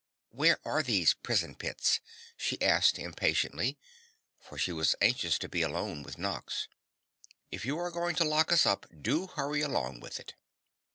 "Where are these prison pits?" she asked impatiently, for she was anxious to be alone with Nox. "If you are going to lock us up, do hurry along with it."